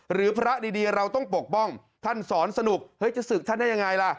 หรือพระดีเราต้องปกป้องท่านสอนสนุกเฮ้ยจะศึกท่านได้ยังไงล่ะ